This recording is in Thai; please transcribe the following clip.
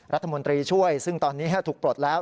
รัฐมนตรีช่วยซึ่งตอนนี้ถูกปลดแล้ว